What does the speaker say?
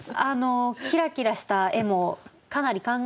キラキラした絵もかなり考えたんです。